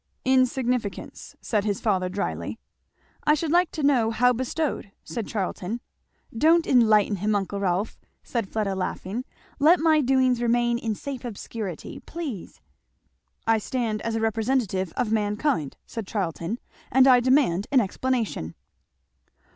"Insignificance," said his father dryly. "I should like to know how bestowed," said Charlton. "Don't enlighten him, uncle Rolf," said Fleda laughing, "let my doings remain in safe obscurity, please!" "I stand as a representative of mankind," said Charlton, "and I demand an explanation."